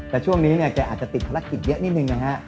แต่ช่วงนี้เนี่ยแกอาจจะติดภารกิจเยอะนิดนึงนะฮะ